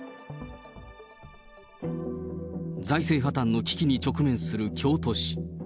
財政破綻の危機に直面する京都市。